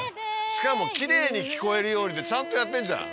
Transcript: しかもキレイに聴こえるようにちゃんとやってんじゃん。